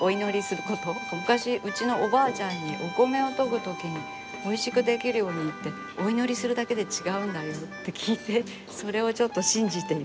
昔うちのおばあちゃんに「お米をとぐときにおいしく出来るようにってお祈りするだけで違うんだよ」って聞いてそれをちょっと信じています。